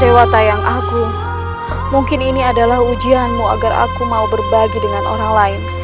lewat tayang aku mungkin ini adalah ujianmu agar aku mau berbagi dengan orang lain